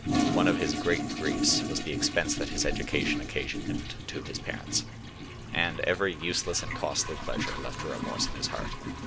One of his great griefs was the expense that his education occasioned to his parents, and every useless and costly pleasure left a remorse in his heart.